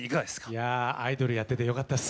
いやアイドルやっててよかったです。